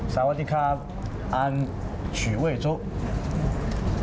จุ๊บจุ๊บจุ๊บ